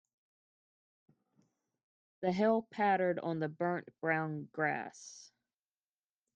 The hail pattered on the burnt brown grass.